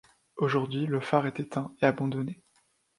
Aujourd'hui le phare est éteint et abandonné.